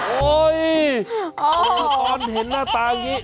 โว้ยโอ้เพลงครอบครัวเห็นน่าตัวแบบนี้